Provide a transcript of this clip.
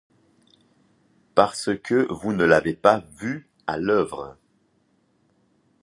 Parce que vous ne l’avez pas vu à l’œuvre.